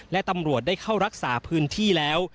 และตำรวจได้เข้ารักษาพื้นที่แล้ว